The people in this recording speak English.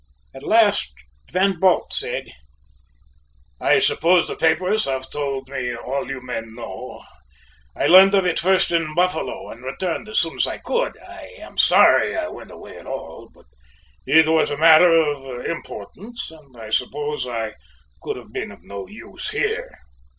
At last Van Bult said: "I suppose the papers have told me all you men know. I learned of it first in Buffalo, and returned as soon as I could. I am sorry I went away at all, but it was a matter of importance and I suppose I could have been of no use here."